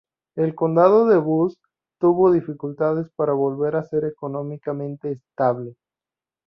El condado de Butts tuvo dificultades para volver a ser económicamente estable.